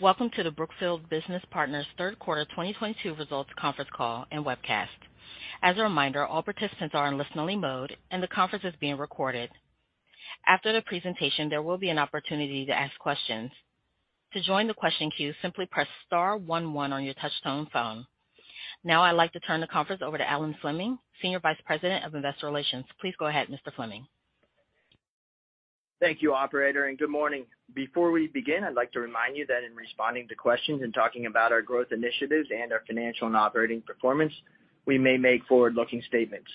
Welcome to the Brookfield Business Partners third quarter 2022 results conference call and webcast. As a reminder, all participants are in listen-only mode, and the conference is being recorded. After the presentation, there will be an opportunity to ask questions. To join the question queue, simply press star one one on your touchtone phone. Now I'd like to turn the conference over to Alan Fleming, Senior Vice President of Investor Relations. Please go ahead, Mr. Fleming. Thank you, operator, and good morning. Before we begin, I'd like to remind you that in responding to questions and talking about our growth initiatives and our financial and operating performance, we may make forward-looking statements.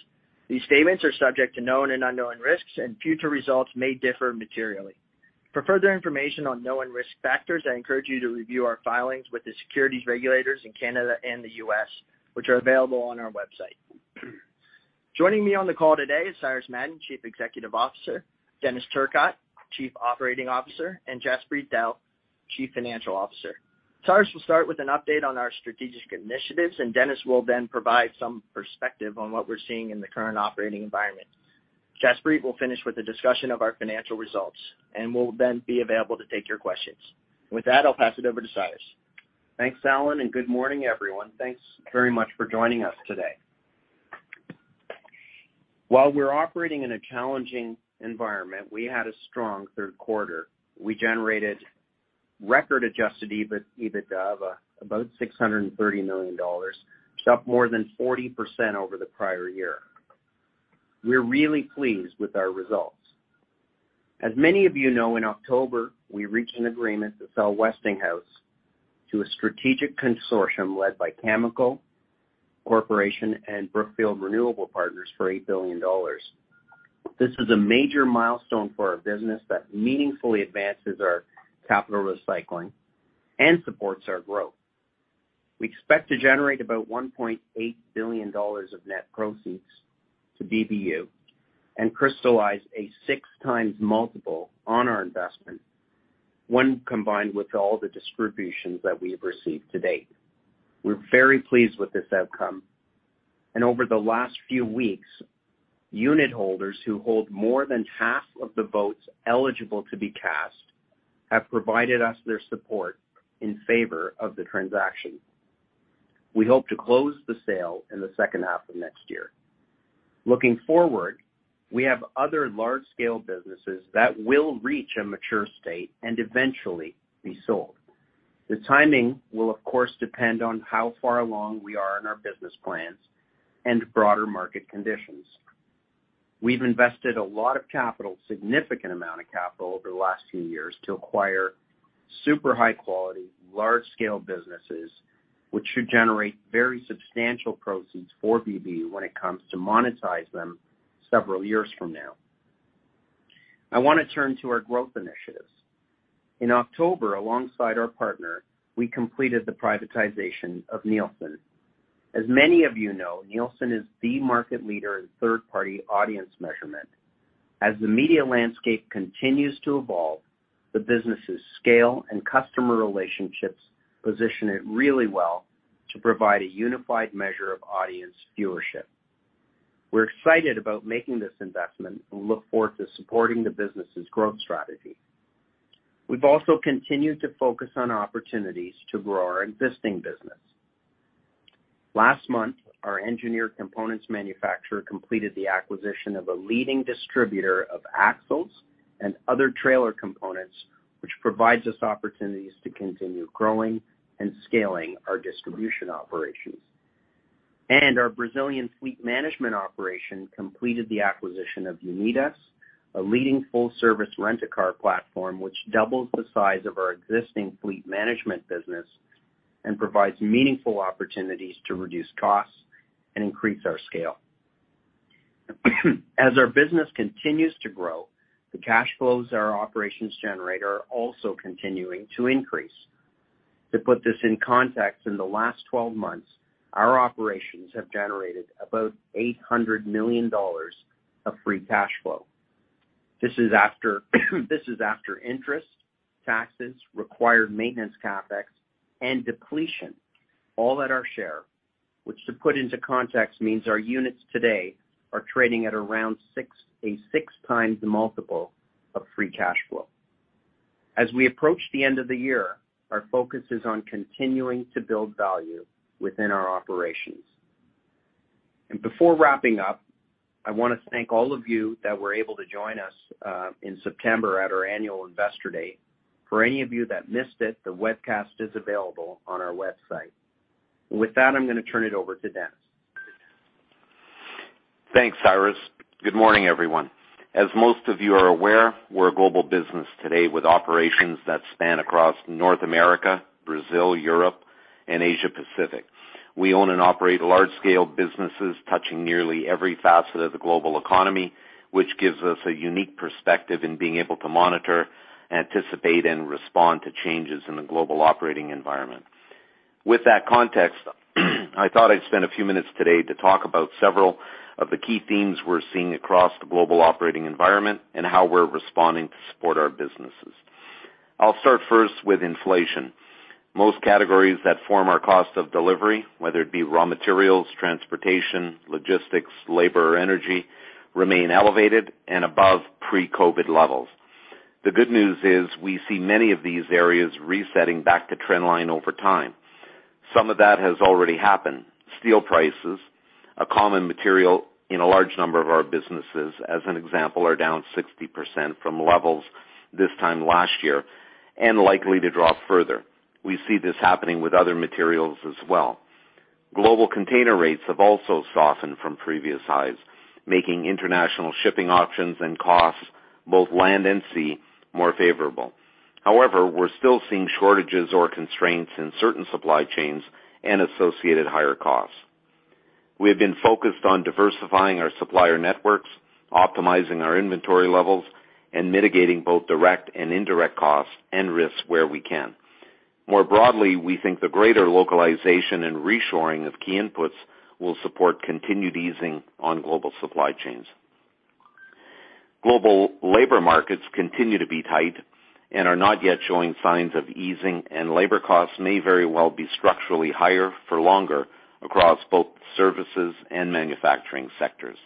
These statements are subject to known and unknown risks, and future results may differ materially. For further information on known risk factors, I encourage you to review our filings with the securities regulators in Canada and the U.S., which are available on our website. Joining me on the call today is Cyrus Madon, Chief Executive Officer, Denis Turcotte, Chief Operating Officer, and Jaspreet Dehl, Chief Financial Officer. Cyrus will start with an update on our strategic initiatives, and Denis will then provide some perspective on what we're seeing in the current operating environment. Jaspreet will finish with a discussion of our financial results, and we'll then be available to take your questions. With that, I'll pass it over to Cyrus. Thanks, Alan, and good morning, everyone. Thanks very much for joining us today. While we're operating in a challenging environment, we had a strong third quarter. We generated record Adjusted EBITDA of about $630 million, up more than 40% over the prior year. We're really pleased with our results. As many of you know, in October, we reached an agreement to sell Westinghouse to a strategic consortium led by Cameco Corporation and Brookfield Renewable Partners for $8 billion. This is a major milestone for our business that meaningfully advances our capital recycling and supports our growth. We expect to generate about $1.8 billion of net proceeds to BBU and crystallize a 6x multiple on our investment when combined with all the distributions that we've received to date. We're very pleased with this outcome. Over the last few weeks, unitholders who hold more than half of the votes eligible to be cast have provided us their support in favor of the transaction. We hope to close the sale in the second half of next year. Looking forward, we have other large-scale businesses that will reach a mature state and eventually be sold. The timing will of course depend on how far along we are in our business plans and broader market conditions. We've invested a lot of capital, significant amount of capital over the last few years to acquire super high quality, large-scale businesses, which should generate very substantial proceeds for BBU when it comes to monetize them several years from now. I wanna turn to our growth initiatives. In October, alongside our partner, we completed the privatization of Nielsen. As many of you know, Nielsen is the market leader in third-party audience measurement. As the media landscape continues to evolve, the business's scale and customer relationships position it really well to provide a unified measure of audience viewership. We're excited about making this investment and look forward to supporting the business's growth strategy. We've also continued to focus on opportunities to grow our existing business. Last month, our engineered components manufacturer completed the acquisition of a leading distributor of axles and other trailer components, which provides us opportunities to continue growing and scaling our distribution operations. Our Brazilian fleet management operation completed the acquisition of Unidas, a leading full-service rent-a-car platform, which doubles the size of our existing fleet management business and provides meaningful opportunities to reduce costs and increase our scale. As our business continues to grow, the cash flows our operations generate are also continuing to increase. To put this in context, in the last 12 months, our operations have generated about $800 million of free cash flow. This is after interest, taxes, required maintenance CapEx, and depletion, all at our share, which to put into context means our units today are trading at around a 6x multiple of free cash flow. As we approach the end of the year, our focus is on continuing to build value within our operations. Before wrapping up, I wanna thank all of you that were able to join us in September at our annual investor day. For any of you that missed it, the webcast is available on our website. With that, I'm gonna turn it over to Denis. Thanks, Cyrus. Good morning, everyone. As most of you are aware, we're a global business today with operations that span across North America, Brazil, Europe, and Asia Pacific. We own and operate large-scale businesses touching nearly every facet of the global economy, which gives us a unique perspective in being able to monitor, anticipate, and respond to changes in the global operating environment. With that context, I thought I'd spend a few minutes today to talk about several of the key themes we're seeing across the global operating environment and how we're responding to support our businesses. I'll start first with inflation. Most categories that form our cost of delivery, whether it be raw materials, transportation, logistics, labor, or energy, remain elevated and above pre-COVID levels. The good news is we see many of these areas resetting back to trend line over time. Some of that has already happened. Steel prices, a common material in a large number of our businesses, as an example, are down 60% from levels this time last year and likely to drop further. We see this happening with other materials as well. Global container rates have also softened from previous highs, making international shipping options and costs, both land and sea, more favorable. However, we're still seeing shortages or constraints in certain supply chains and associated higher costs. We have been focused on diversifying our supplier networks, optimizing our inventory levels, and mitigating both direct and indirect costs and risks where we can. More broadly, we think the greater localization and reshoring of key inputs will support continued easing on global supply chains. Global labor markets continue to be tight and are not yet showing signs of easing, and labor costs may very well be structurally higher for longer across both services and manufacturing sectors.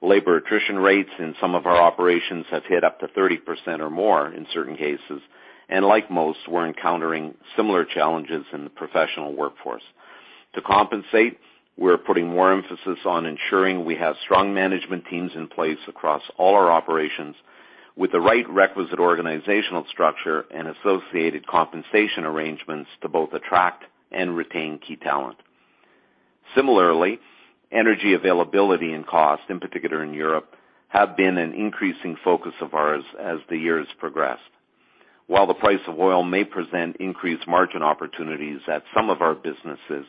Labor attrition rates in some of our operations have hit up to 30% or more in certain cases, and like most, we're encountering similar challenges in the professional workforce. To compensate, we're putting more emphasis on ensuring we have strong management teams in place across all our operations with the right requisite organizational structure and associated compensation arrangements to both attract and retain key talent. Similarly, energy availability and cost, in particular in Europe, have been an increasing focus of ours as the years progressed. While the price of oil may present increased margin opportunities at some of our businesses,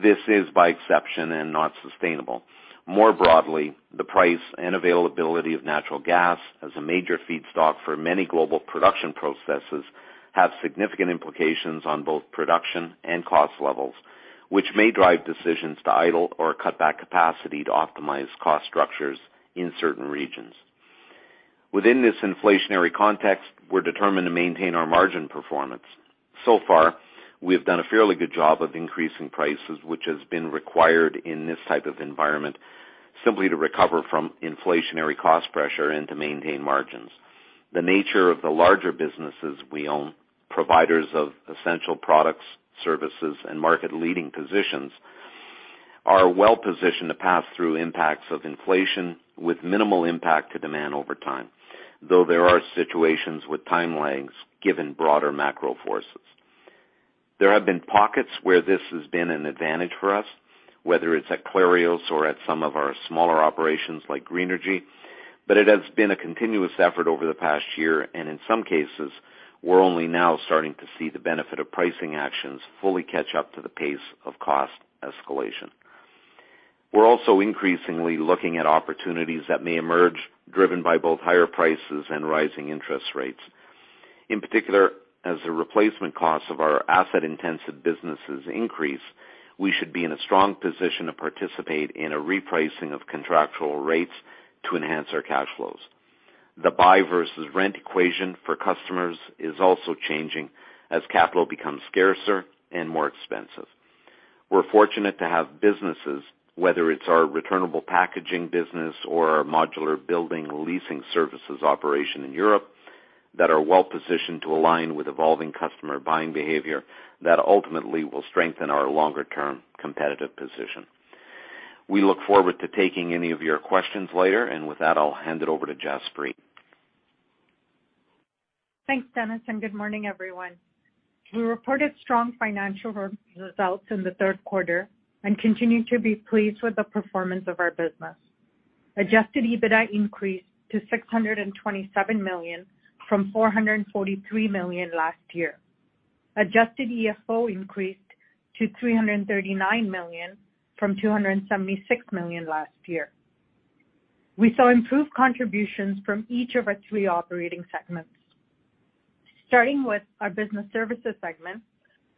this is by exception and not sustainable. More broadly, the price and availability of natural gas as a major feedstock for many global production processes have significant implications on both production and cost levels, which may drive decisions to idle or cut back capacity to optimize cost structures in certain regions. Within this inflationary context, we're determined to maintain our margin performance. So far, we have done a fairly good job of increasing prices, which has been required in this type of environment simply to recover from inflationary cost pressure and to maintain margins. The nature of the larger businesses we own, providers of essential products, services, and market-leading positions, are well positioned to pass through impacts of inflation with minimal impact to demand over time, though there are situations with time lags given broader macro forces. There have been pockets where this has been an advantage for us, whether it's at Clarios or at some of our smaller operations like Greenergy, but it has been a continuous effort over the past year, and in some cases, we're only now starting to see the benefit of pricing actions fully catch up to the pace of cost escalation. We're also increasingly looking at opportunities that may emerge, driven by both higher prices and rising interest rates. In particular, as the replacement costs of our asset-intensive businesses increase, we should be in a strong position to participate in a repricing of contractual rates to enhance our cash flows. The buy versus rent equation for customers is also changing as capital becomes scarcer and more expensive. We're fortunate to have businesses, whether it's our returnable packaging business or our modular building leasing services operation in Europe, that are well-positioned to align with evolving customer buying behavior that ultimately will strengthen our longer-term competitive position. We look forward to taking any of your questions later. With that, I'll hand it over to Jaspreet. Thanks, Denis, and good morning, everyone. We reported strong financial results in the third quarter and continue to be pleased with the performance of our business. Adjusted EBITDA increased to $627 million from $443 million last year. Adjusted EFO increased to $339 million from $276 million last year. We saw improved contributions from each of our three operating segments. Starting with our business services segment,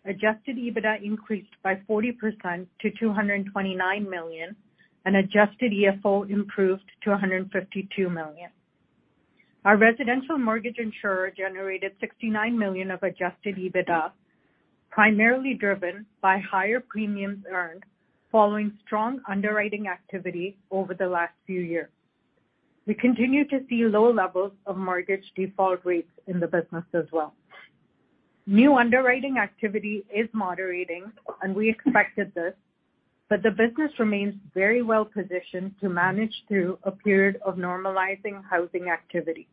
Adjusted EBITDA increased by 40% to $229 million, and adjusted EFO improved to $152 million. Our residential mortgage insurer generated $69 million of Adjusted EBITDA, primarily driven by higher premiums earned following strong underwriting activity over the last few years. We continue to see low levels of mortgage default rates in the business as well. New underwriting activity is moderating, and we expected this, but the business remains very well positioned to manage through a period of normalizing housing activity.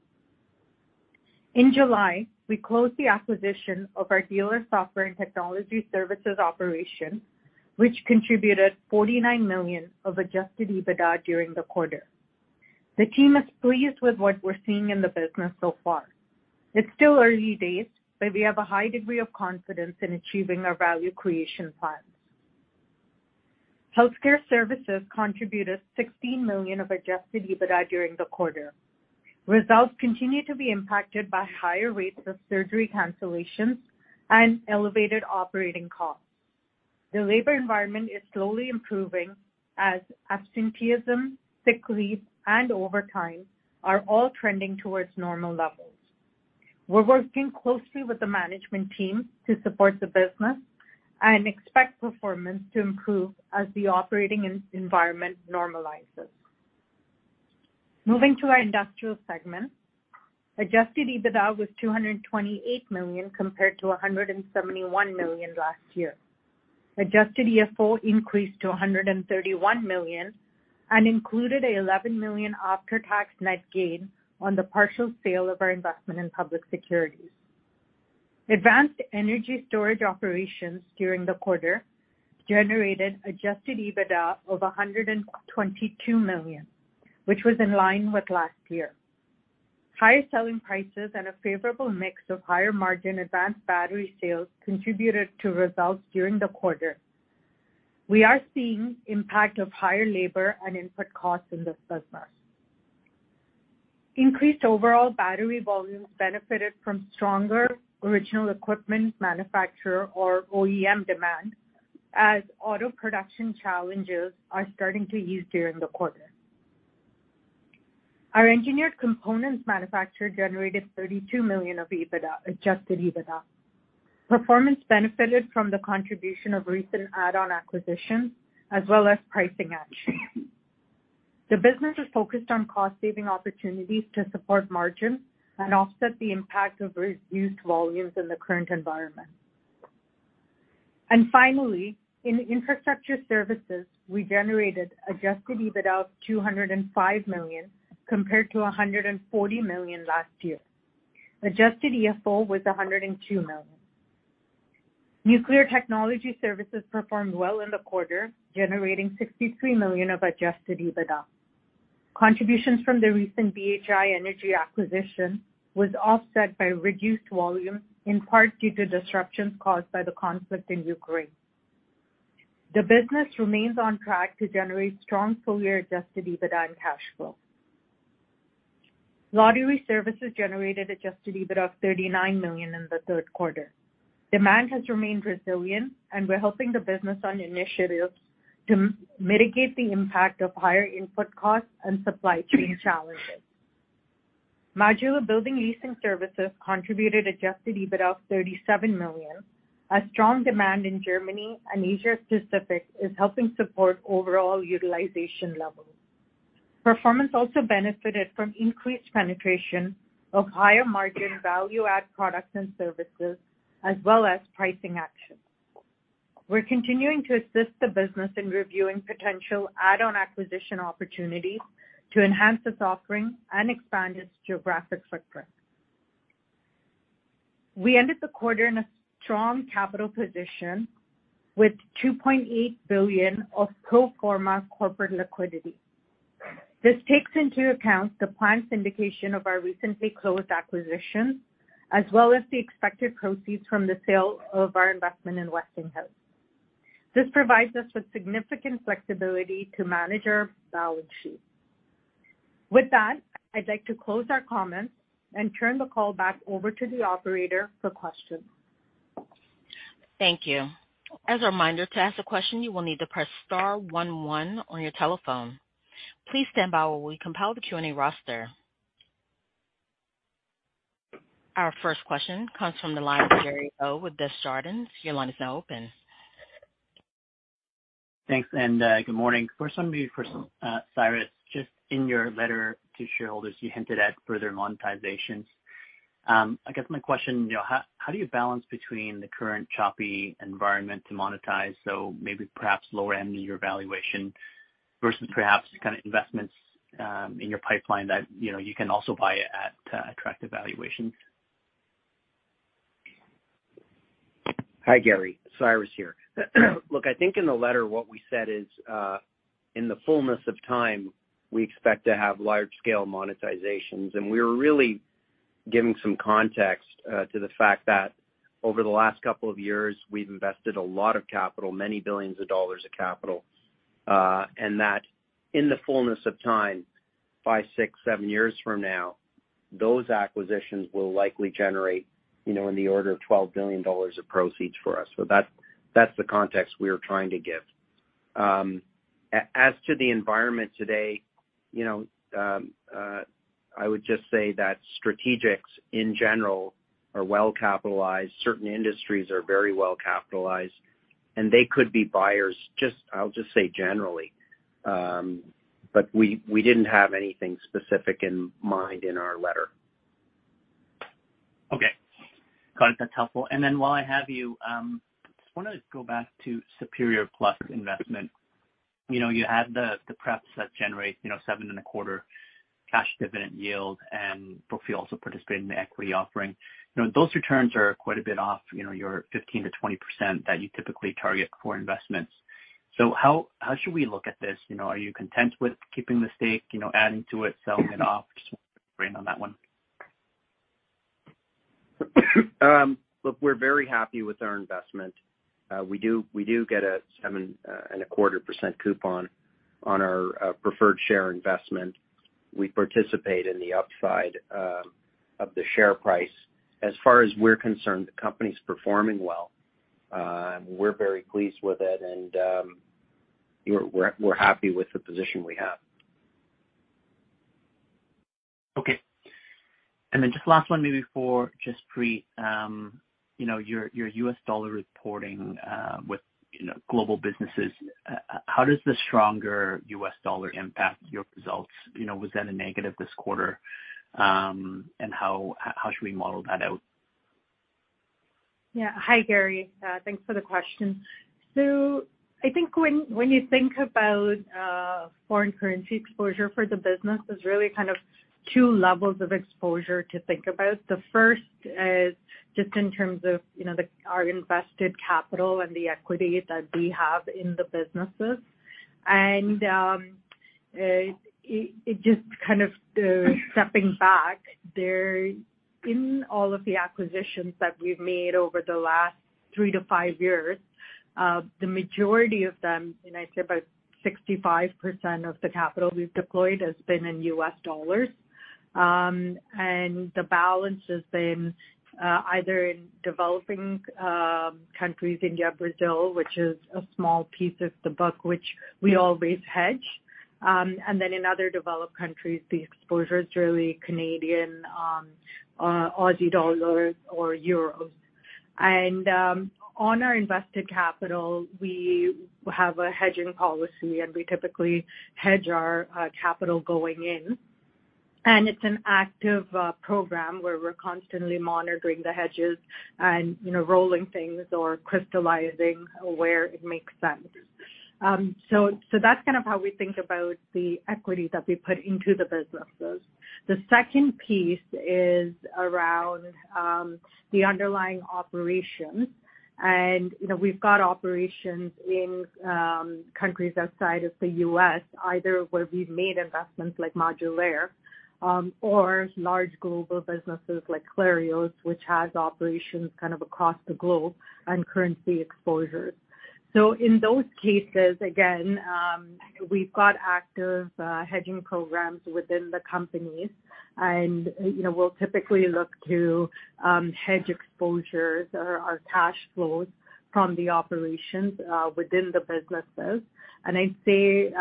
In July, we closed the acquisition of our dealer software and technology services operation, which contributed $49 million of Adjusted EBITDA during the quarter. The team is pleased with what we're seeing in the business so far. It's still early days, but we have a high degree of confidence in achieving our value creation plans. Healthcare Services contributed $16 million of Adjusted EBITDA during the quarter. Results continue to be impacted by higher rates of surgery cancellations and elevated operating costs. The labor environment is slowly improving as absenteeism, sick leave, and overtime are all trending towards normal levels. We're working closely with the management team to support the business and expect performance to improve as the operating environment normalizes. Moving to our Industrials segment. Adjusted EBITDA was $228 million compared to $171 million last year. Adjusted CFO increased to $131 million, and included an $11 million after-tax net gain on the partial sale of our investment in public securities. Advanced energy storage operations during the quarter generated Adjusted EBITDA of $122 million, which was in line with last year. Higher selling prices and a favorable mix of higher margin advanced battery sales contributed to results during the quarter. We are seeing impact of higher labor and input costs in this business. Increased overall battery volumes benefited from stronger original equipment manufacturer, or OEM, demand as auto production challenges are starting to ease during the quarter. Our engineered components manufacturer generated $32 million of Adjusted EBITDA. Performance benefited from the contribution of recent add-on acquisitions as well as pricing action. The business is focused on cost saving opportunities to support margin and offset the impact of reduced volumes in the current environment. Finally, in infrastructure services, we generated Adjusted EBITDA of $205 million compared to $140 million last year. Adjusted CFO was $102 million. Nuclear technology services performed well in the quarter, generating $63 million of Adjusted EBITDA. Contributions from the recent BHI Energy acquisition was offset by reduced volume, in part due to disruptions caused by the conflict in Ukraine. The business remains on track to generate strong full-year Adjusted EBITDA and cash flow. Lottery services generated Adjusted EBITDA of $39 million in the third quarter. Demand has remained resilient, and we're helping the business on initiatives to mitigate the impact of higher input costs and supply chain challenges. Modulaire Group contributed Adjusted EBITDA of $37 million as strong demand in Germany and Asia Pacific is helping support overall utilization levels. Performance also benefited from increased penetration of higher margin value-add products and services as well as pricing action. We're continuing to assist the business in reviewing potential add-on acquisition opportunities to enhance its offering and expand its geographic footprint. We ended the quarter in a strong capital position with $2.8 billion of pro forma corporate liquidity. This takes into account the planned syndication of our recently closed acquisition, as well as the expected proceeds from the sale of our investment in Westinghouse. This provides us with significant flexibility to manage our balance sheet. With that, I'd like to close our comments and turn the call back over to the operator for questions. Thank you. As a reminder, to ask a question, you will need to press star one one on your telephone. Please stand by while we compile the Q&A roster. Our first question comes from the line of Gary Ho with Desjardins. Your line is now open. Thanks and good morning. For some of you, Cyrus, just in your letter to shareholders, you hinted at further monetizations. I guess my question, you know, how do you balance between the current choppy environment to monetize, so maybe perhaps lower end-of-year valuation versus perhaps the kind of investments in your pipeline that, you know, you can also buy at attractive valuations? Hi, Gary. Cyrus here. Look, I think in the letter what we said is, in the fullness of time, we expect to have large scale monetizations. We're really giving some context to the fact that over the last couple of years, we've invested a lot of capital, many billions of dollars of capital, and that in the fullness of time, five, six, seven years from now, those acquisitions will likely generate, you know, in the order of $12 billion of proceeds for us. That's the context we are trying to give. As to the environment today, you know, I would just say that strategics in general are well capitalized. Certain industries are very well capitalized, and they could be buyers. Just, I'll just say generally. But we didn't have anything specific in mind in our letter. Okay. Got it. That's helpful. While I have you, just wanna go back to Superior Plus investment. You know, you had the pref that generates, you know, 7.25% cash dividend yield, but you also participated in the equity offering. You know, those returns are quite a bit off, you know, your 15%-20% that you typically target for investments. How should we look at this? You know, are you content with keeping the stake, you know, adding to it, selling it off? Just wanna get your brain on that one. Look, we're very happy with our investment. We do get a 7.25% coupon on our preferred share investment. We participate in the upside of the share price. As far as we're concerned, the company's performing well. We're very pleased with it, and we're happy with the position we have. Okay. Just last one maybe for Jaspreet. You know, your U.S. dollar reporting with you know, global businesses, how does the stronger U.S. dollar impact your results? You know, was that a negative this quarter? How should we model that out? Yeah. Hi, Gary. Thanks for the question. I think when you think about foreign currency exposure for the business, there's really kind of two levels of exposure to think about. The first is just in terms of, you know, our invested capital and the equity that we have in the businesses. It just kind of, stepping back, in all of the acquisitions that we've made over the last 3-5 years, the majority of them, and I'd say about 65% of the capital we've deployed has been in U.S. dollars. The balance has been either in developing countries, India, Brazil, which is a small piece of the book, which we always hedge. In other developed countries, the exposure is really Canadian dollars, Aussie dollars or euros. On our invested capital, we have a hedging policy, and we typically hedge our capital going in. It's an active program where we're constantly monitoring the hedges and, you know, rolling things or crystallizing where it makes sense. So that's kind of how we think about the equity that we put into the businesses. The second piece is around the underlying operations. You know, we've got operations in countries outside of the U.S., either where we've made investments like Modulaire, or large global businesses like Clarios, which has operations kind of across the globe and currency exposure. So in those cases, again, we've got active hedging programs within the companies. You know, we'll typically look to hedge exposures or our cash flows from the operations within the businesses. I'd say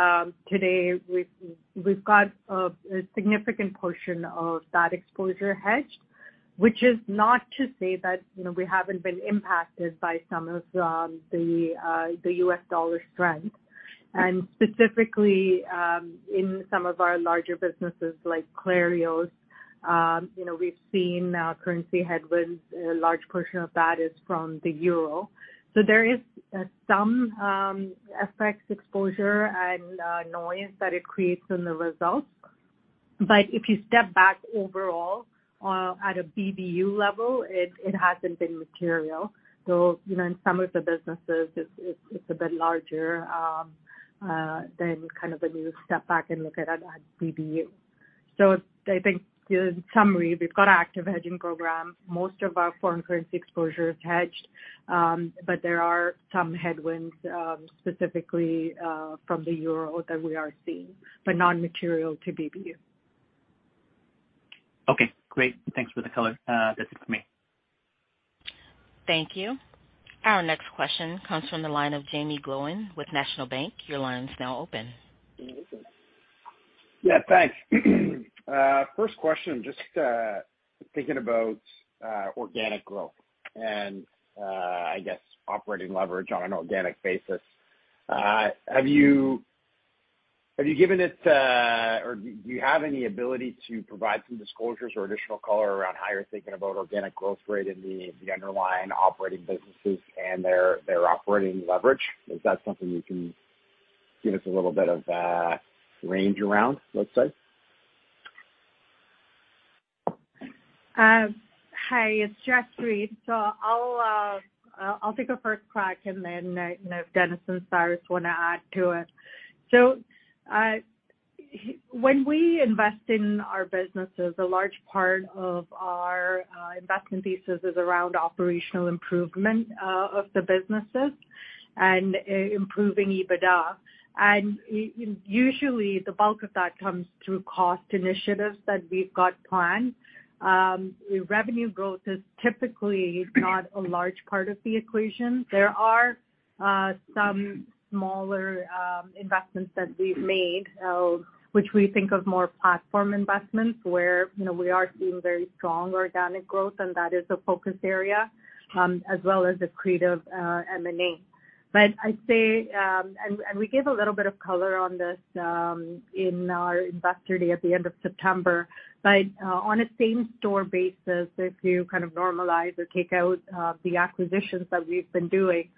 today we've got a significant portion of that exposure hedged, which is not to say that, you know, we haven't been impacted by some of the U.S. dollar strength. Specifically, in some of our larger businesses like Clarios, you know, we've seen currency headwinds, a large portion of that is from the euro. There is some FX exposure and noise that it creates in the results. If you step back overall, at a BBU level, it hasn't been material. You know, in some of the businesses, it's a bit larger than kind of when you step back and look at it at BBU. I think in summary, we've got an active hedging program. Most of our foreign currency exposure is hedged. There are some headwinds, specifically from the euro that we are seeing, but non-material to BBU. Okay, great. Thanks for the color. That's it for me. Thank you. Our next question comes from the line of Jaeme Gloyn with National Bank. Your line's now open. Yeah, thanks. First question, just thinking about organic growth and I guess operating leverage on an organic basis. Have you given it or do you have any ability to provide some disclosures or additional color around how you're thinking about organic growth rate in the underlying operating businesses and their operating leverage? Is that something you can give us a little bit of a range around, let's say? Hi, it's Jaspreet. I'll take a first crack and then, you know, if Denis and Cyrus want to add to it. When we invest in our businesses, a large part of our investment thesis is around operational improvement of the businesses and improving EBITDA. Usually, the bulk of that comes through cost initiatives that we've got planned. Revenue growth is typically not a large part of the equation. There are some smaller investments that we've made, which we think of more as platform investments where, you know, we are seeing very strong organic growth, and that is a focus area, as well as accretive M&A. I'd say, and we gave a little bit of color on this, in our Investor Day at the end of September. On a same-store basis, if you kind of normalize or take out the acquisitions that we've been doing,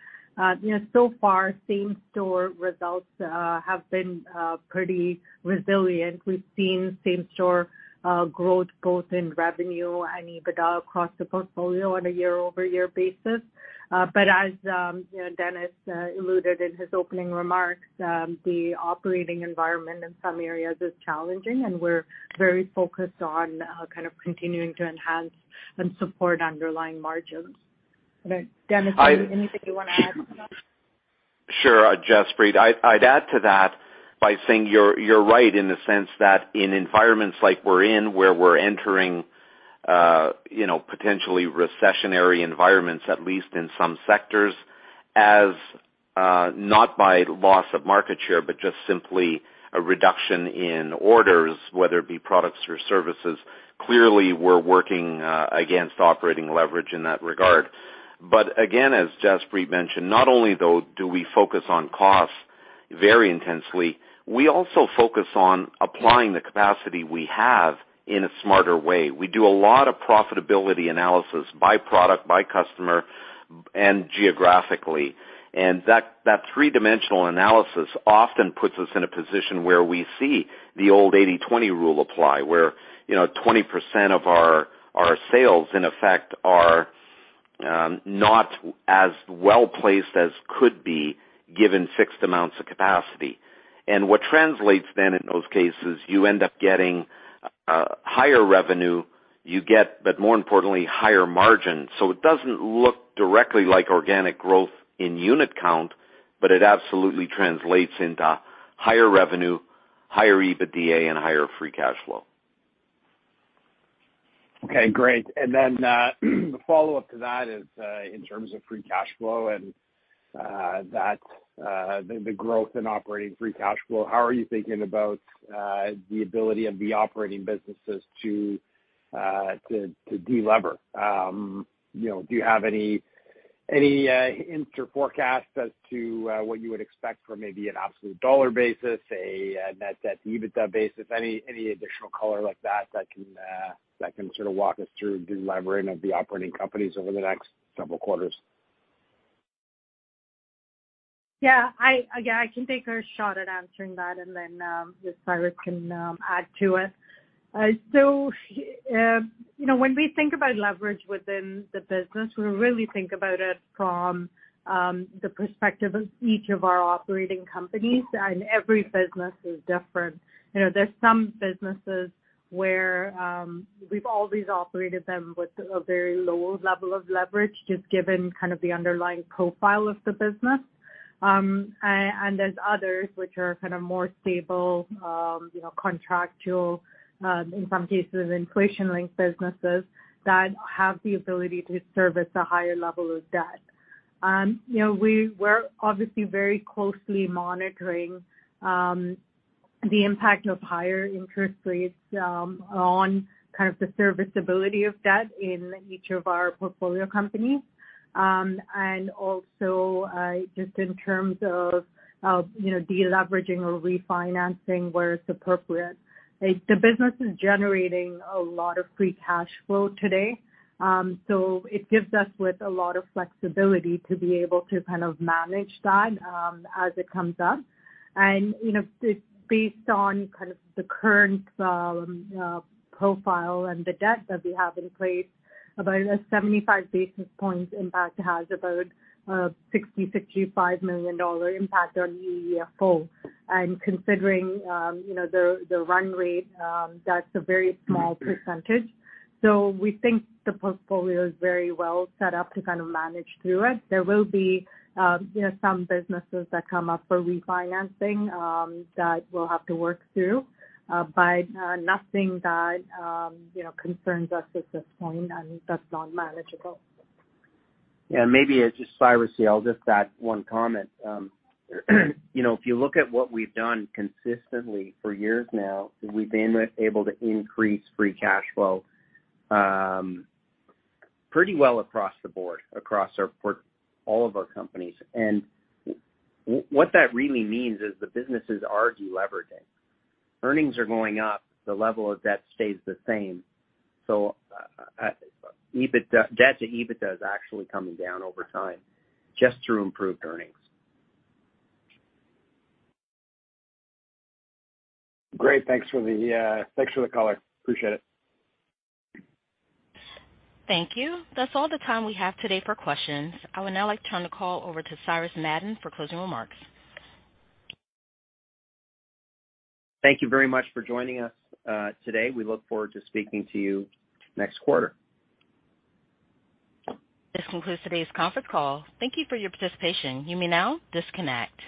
you know, so far, same-store results have been pretty resilient. We've seen same-store growth both in revenue and EBITDA across the portfolio on a year-over-year basis. As you know, Denis alluded in his opening remarks, the operating environment in some areas is challenging, and we're very focused on kind of continuing to enhance and support underlying margins. Okay, Denis, anything you wanna add to that? Sure, Jaspreet. I'd add to that by saying you're right in the sense that in environments like we're in, where we're entering, you know, potentially recessionary environments, at least in some sectors, as not by loss of market share, but just simply a reduction in orders, whether it be products or services. Clearly, we're working against operating leverage in that regard. Again, as Jaspreet mentioned, not only though do we focus on costs very intensely, we also focus on applying the capacity we have in a smarter way. We do a lot of profitability analysis by product, by customer, and geographically. That three-dimensional analysis often puts us in a position where we see the old eighty/twenty rule apply, where, you know, 20% of our sales, in effect, are not as well-placed as could be given fixed amounts of capacity. What translates then in those cases, you end up getting higher revenue, you get, but more importantly, higher margin. It doesn't look directly like organic growth in unit count, but it absolutely translates into higher revenue, higher EBITDA and higher free cash flow. Okay, great. Then the follow-up to that is in terms of free cash flow and the growth in operating free cash flow. How are you thinking about the ability of the operating businesses to de-lever? You know, do you have any hints or forecasts as to what you would expect for maybe an absolute dollar basis, a net debt to EBITDA basis? Any additional color like that that can sort of walk us through de-levering of the operating companies over the next couple quarters? Again, I can take a shot at answering that and then, if Cyrus can, add to it. You know, when we think about leverage within the business, we really think about it from the perspective of each of our operating companies, and every business is different. You know, there's some businesses where we've always operated them with a very low level of leverage, just given kind of the underlying profile of the business. And there's others which are kind of more stable, you know, contractual, in some cases, inflation-linked businesses that have the ability to service a higher level of debt. You know, we're obviously very closely monitoring the impact of higher interest rates on kind of the serviceability of debt in each of our portfolio companies. Also, just in terms of, you know, de-leveraging or refinancing where it's appropriate. The business is generating a lot of free cash flow today, so it gives us with a lot of flexibility to be able to kind of manage that, as it comes up. You know, based on kind of the current profile and the debt that we have in place, about a 75 basis points impact has about a $65 million impact on the full. Considering you know, the run rate, that's a very small percentage. So we think the portfolio is very well set up to kind of manage through it. There will be, you know, some businesses that come up for refinancing that we'll have to work through, but nothing that, you know, concerns us at this point and that's manageable. Yeah, maybe it's just Cyrus here. I'll just add one comment. You know, if you look at what we've done consistently for years now, we've been able to increase free cash flow pretty well across the board, for all of our companies. What that really means is the businesses are de-leveraging. Earnings are going up, the level of debt stays the same. EBITDA, debt to EBITDA is actually coming down over time just through improved earnings. Great. Thanks for the color. Appreciate it. Thank you. That's all the time we have today for questions. I would now like to turn the call over to Cyrus Madon for closing remarks. Thank you very much for joining us, today. We look forward to speaking to you next quarter. This concludes today's conference call. Thank you for your participation. You may now disconnect.